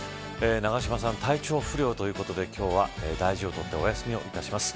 永島さん、体調不良ということで今日は大事をとってお休みをいたします。